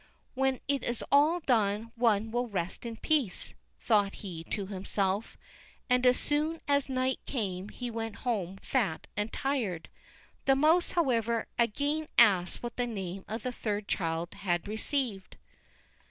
"When it is all done one will rest in peace," thought he to himself, and as soon as night came he went home fat and tired. The mouse, however, again asked what name the third child had received.